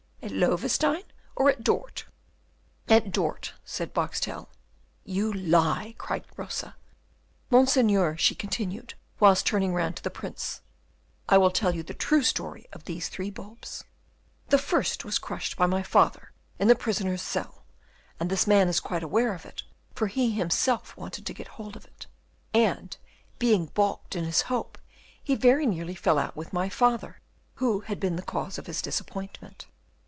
At Loewestein, or at Dort?" "At Dort," said Boxtel. "You lie!" cried Rosa. "Monseigneur," she continued, whilst turning round to the Prince, "I will tell you the true story of these three bulbs. The first was crushed by my father in the prisoner's cell, and this man is quite aware of it, for he himself wanted to get hold of it, and, being balked in his hope, he very nearly fell out with my father, who had been the cause of his disappointment.